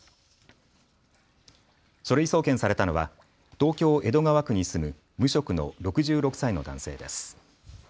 書類送検されたのは東京江戸川区に住む無職の６６歳の男性です。